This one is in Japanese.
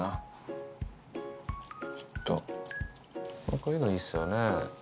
こういうの、いいっすよね。